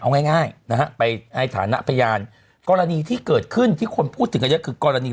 เอาง่ายนะฮะไปในฐานะพยานกรณีที่เกิดขึ้นที่คนพูดถึงกันเยอะคือกรณี